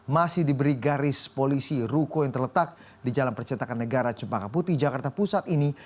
masih diberi garis polisi ruko yang terletak di jalan percetakan negara cempaka putih jakarta pusat ini